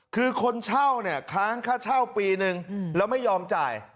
คือคนเช่าเนี่ยค้างค่าเช่าปีนึงแล้วไม่ยอมจ่าย